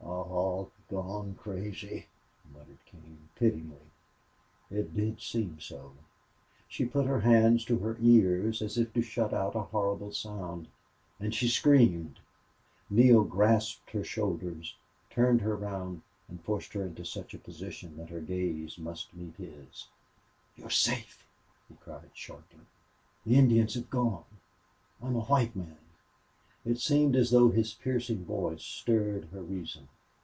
"Aw! Gone crazy!" muttered King, pityingly. It did seem so. She put her hands to her ears as if to shut out a horrible sound. And she screamed. Neale grasped her shoulders, turned her round, and forced her into such a position that her gaze must meet his. "You're safe!" he cried sharply. "The Indians have gone! I'm a white man!" It seemed as though his piercing voice stirred her reason.